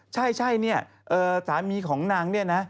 ใช่เนี่ยสามีของนางเนี่ยนะ